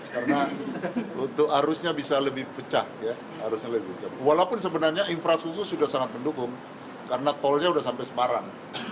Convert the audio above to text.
karena untuk arusnya bisa lebih pecah walaupun sebenarnya infrastruktur sudah sangat mendukung karena tolnya sudah sampai separan